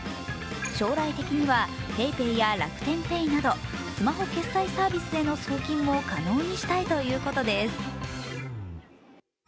将来的にはＰａｙＰａｙや楽天ペイなどスマホ決済サービスへの送金も可能にしたいということです。